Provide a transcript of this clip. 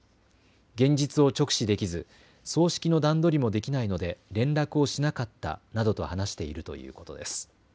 現実を直視できず葬式の段取りもできないので連絡をしなかったなどと話しているということです。